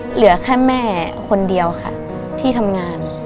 เหลือแค่แม่คนเดียวค่ะที่ทำงาน